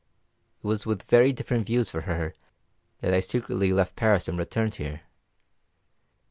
It was with very different views for her that I secretly left Paris and returned here.